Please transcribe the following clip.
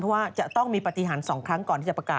เพราะว่าจะต้องมีปฏิหาร๒ครั้งก่อนที่จะประกาศ